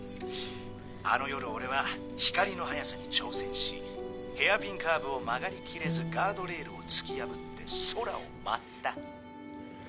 あの夜俺は光の速さに挑戦しヘアピンカーブを曲がりきれずガードレールを突き破って空を舞った。